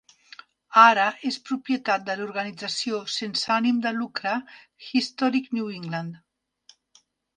Ara és propietat de l'organització sense ànim de lucre "Historic New England".